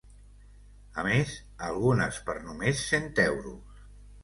A més, algunes per només cent euros.